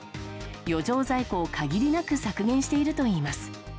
余剰在庫を限りなく削減しているといいます。